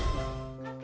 sumpit kamu mau ikut